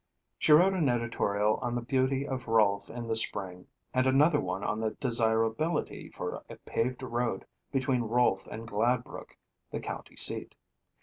She wrote an editorial on the beauty of Rolfe in the spring and another one on the desirability for a paved road between Rolfe and Gladbrook, the county seat.